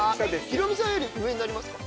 ヒロミさんより上になりますか？